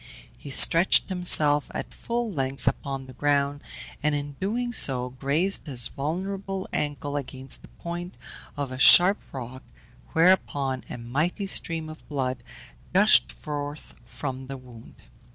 He stretched himself at full length upon the ground, and in doing so grazed his vulnerable ankle against the point of a sharp rock, whereupon a mighty stream of blood gushed forth from the wound.